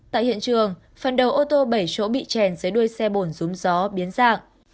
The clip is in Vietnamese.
tại hiện trường phần đầu ô tô bảy chỗ bị chèn dưới đuôi xe bồn rúm gió biến dạng